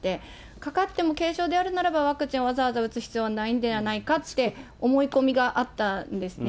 かかっても軽症であるならば、ワクチンをわざわざ打つ必要はないんではないかって思い込みがあったんですね。